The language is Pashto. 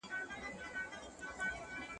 امبولانس په ډېر سرعت سره روان و.